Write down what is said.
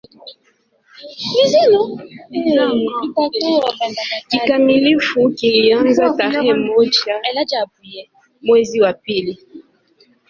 Kikamilifu kilianza tarehe moja mwezi wa pili